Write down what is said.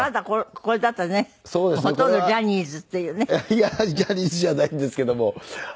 いやジャニーズじゃないんですけども。